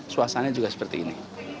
suasana juga seperti ini